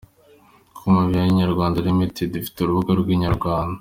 Ikompanyi ya Inyarwanda Ltd ifite urubuga rwa Inyarwanda.